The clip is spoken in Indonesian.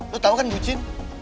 lo tau kan bucin